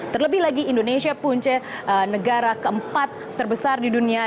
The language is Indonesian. terlebih lagi indonesia punca negara keempat terbesar di dunia